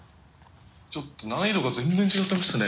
ちょっと難易度が全然違ってましたね。